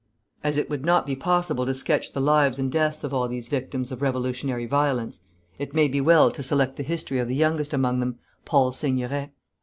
As it would not be possible to sketch the lives and deaths of all these victims of revolutionary violence, it may be well to select the history of the youngest among them, Paul Seigneret.